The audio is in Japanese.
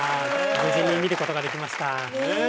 無事に見ることができましたねえ